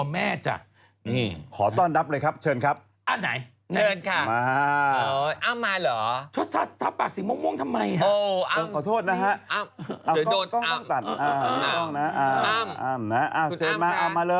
เปิดตาหล่อนดีหน้าอกเหรอ